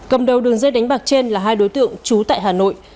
cầm đầu đường dây đánh bạc trên là hai đối tượng trú tại hà nội